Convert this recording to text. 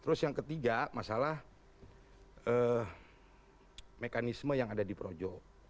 terus yang ketiga masalah mekanisme yang ada di projo